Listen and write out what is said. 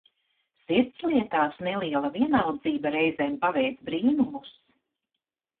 Sirdslietās neliela vienaldzība reizēm paveic brīnumus!